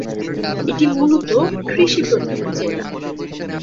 এটি মূলত কৃষি প্রধান জেলা।